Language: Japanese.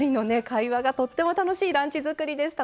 会話がとっても楽しいランチ作りです。